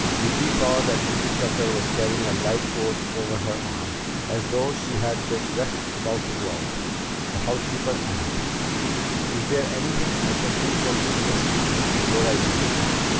Vicki saw that Mrs. Tucker was carrying a light coat over her arm, as though she had been just about to go out. The housekeeper added: "Is there anything I can do for you, Miss Vicki, before I leave?"